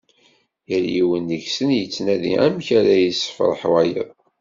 Yal yiwen deg-sen yettnadi amek ara yessefreḥ wayeḍ.